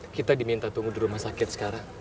kita diminta tunggu di rumah sakit sekarang